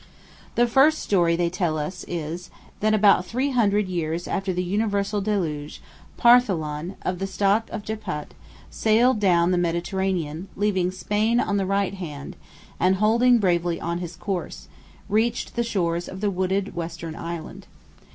The first story they tell is, that about three hundred years after the Universal Deluge, Partholan, of the stock of Japhet, sailed down the Mediterranean, "leaving Spain on the right hand," and holding bravely on his course, reached the shores of the wooded western Island.